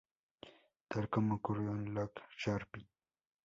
Tal como ocurrió con Look Sharp!